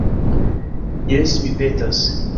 Jes, mi petas.